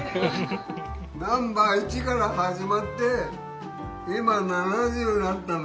ナンバー１から始まって今７０になったの。